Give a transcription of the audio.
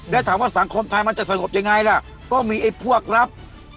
แล้วถามว่าสังคมไทยมันจะสงบยังไงล่ะก็มีไอ้พวกรับ